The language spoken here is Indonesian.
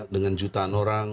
dengan jutaan orang